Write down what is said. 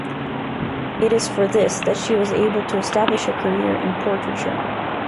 It is for this that she was able to establish a career in portraiture.